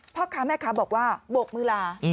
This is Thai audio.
พ่อค้าแม่ค้าบอกว่าโบกมือลา